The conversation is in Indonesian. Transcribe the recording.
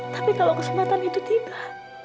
tapi kalau kesempatan itu tiba